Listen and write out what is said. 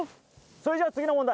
それじゃ次の問題